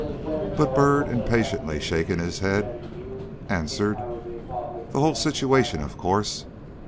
But Byrd, impatiently shaking his head, answered: "The whole situation, of course."